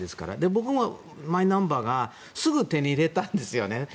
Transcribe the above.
僕もマイナンバーすぐ手に入れたんですね。